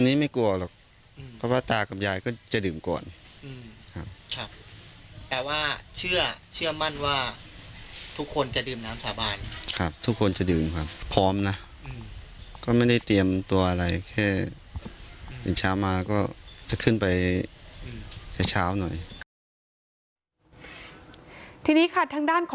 ที่นี้ค่ะทางด้านของลุงครับ